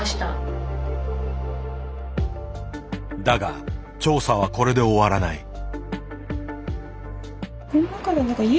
だが調査はこれで終わらない。